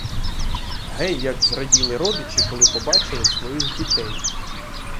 Гей, як зраділи родичі, коли побачили своїх дітей!